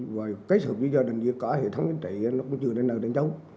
và cái sự với gia đình với cả hệ thống chính trị nó cũng chưa đến nơi để chống